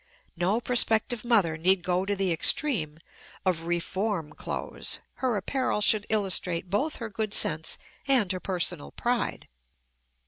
No prospective mother need go to the extreme of "Reform Clothes"; her apparel should illustrate both her good sense and her personal pride.